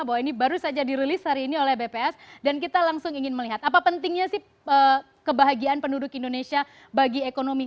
bahwa ini baru saja dirilis hari ini oleh bps dan kita langsung ingin melihat apa pentingnya sih kebahagiaan penduduk indonesia bagi ekonomi